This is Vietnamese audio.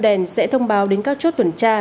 đèn sẽ thông báo đến các chốt tuần tra